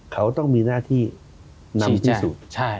เขาต้องมีหน้าที่นำพิสูจน์